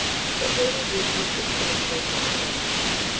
But Ravenswood was insensible to neither.